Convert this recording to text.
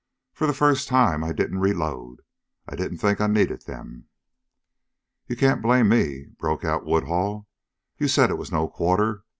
"For the first time, I didn't reload. I didn't think I'd need them." "You can't blame me!" broke out Woodhull. "You said it was no quarter!